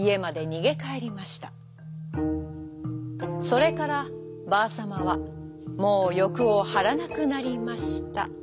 それからばあさまはもうよくをはらなくなりましたとさ。